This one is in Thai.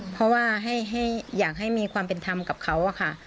เพราะว่าอยากให้มีความเป็นธรรมกับเขาค่ะ